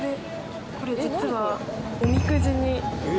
これ実はおみくじになってて。